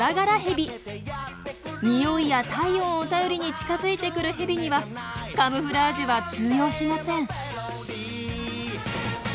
においや体温を頼りに近づいてくるヘビにはカムフラージュは通用しません。